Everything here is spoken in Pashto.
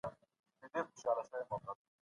پـــه دغـه كـوچــنـي اختــره